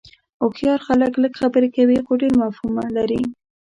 هوښیار خلک لږ خبرې کوي خو ډېر مفهوم لري.